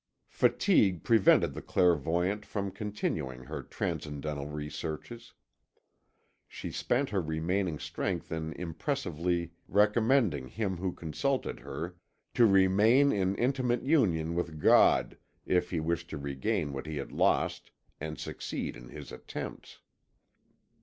Fatigue prevented the clairvoyante from continuing her transcendental researches. She spent her remaining strength in impressively recommending him who consulted her to remain in intimate union with God if he wished to regain what he had lost and succeed in his attempts.